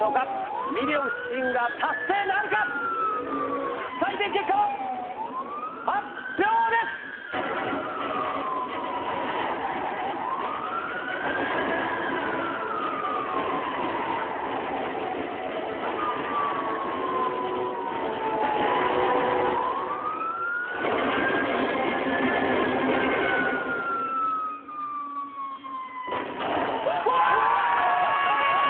『ミリオンシンガー』達成なるか⁉採点結果の発表です！わ！